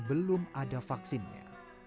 belum ada vaksinnya